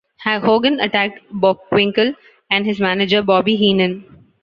Hogan attacked Bockwinkel and his manager Bobby Heenan.